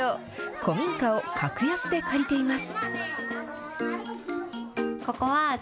古民家を格安で借りています。